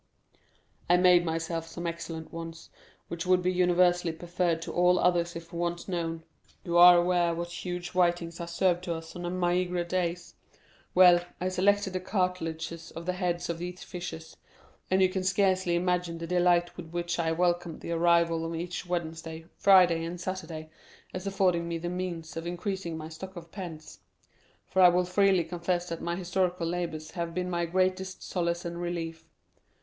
"I made myself some excellent ones, which would be universally preferred to all others if once known. You are aware what huge whitings are served to us on maigre days. Well, I selected the cartilages of the heads of these fishes, and you can scarcely imagine the delight with which I welcomed the arrival of each Wednesday, Friday, and Saturday, as affording me the means of increasing my stock of pens; for I will freely confess that my historical labors have been my greatest solace and relief.